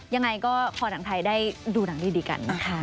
ยังไงก็พอหนังไทยได้ดูหนังดีกันนะคะ